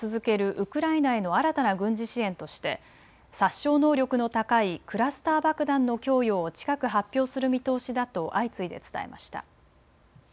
ウクライナへの新たな軍事支援として殺傷能力の高いクラスター爆弾の供与を近く発表する見通しだと相次いで伝えました。